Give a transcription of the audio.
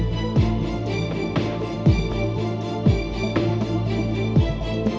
แปดไปแหละ